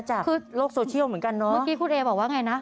คือโลกโซเชียลเหมือนกันเนาะเมื่อกี้คุณเอบอกว่าไงนะ